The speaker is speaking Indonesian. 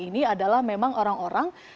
ini adalah memang orang orang